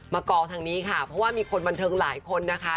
กองทางนี้ค่ะเพราะว่ามีคนบันเทิงหลายคนนะคะ